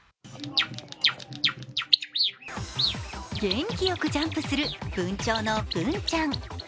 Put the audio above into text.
元気よくジャンプする文鳥のブンちゃん。